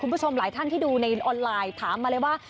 คุณผู้ชมหลายท่านที่ดูในออนไลน์ถามมาเลยว่า